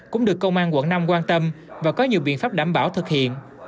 cũng được công an quận năm quan tâm và có nhiều biện pháp đảm bảo thực hiện